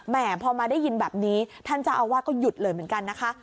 พอมาได้ยินแบบนี้ท่านเจ้าอาวาสก็หยุดเลยเหมือนกันนะคะ